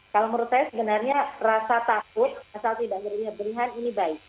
kalau menurut saya sebenarnya rasa takut rasa tidak berlihat berlihat ini baik